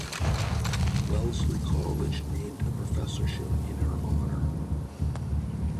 Wellesley College named a professorship in her honor.